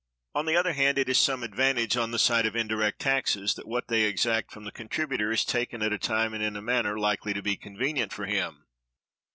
On the other hand, it is some advantage on the side of indirect taxes that what they exact from the contributor is taken at a time and in a manner likely to be convenient to him.